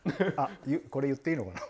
これ言っていいのかな？